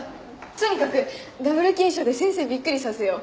とにかくダブル金賞で先生びっくりさせよう。